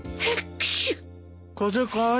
風邪かい？